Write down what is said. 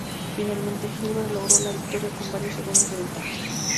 Finalmente Gilbert logró la victoria con varios segundos de ventaja.